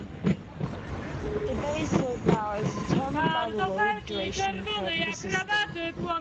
The base load power is determined by the load duration curve of the system.